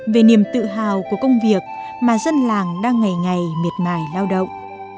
về niềm tự hào của công việc mà dân làng đang ngày ngày miệt mài lao động